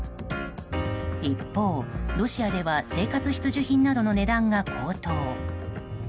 一方、ロシアでは生活必需品などの値段が高騰。